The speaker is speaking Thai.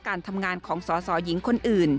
การทำงานของสสหญิงคนอื่น